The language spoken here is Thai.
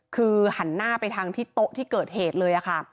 คือหันหน้าไปทางที่โต๊ะที่เกิดเหตุเลยค่ะ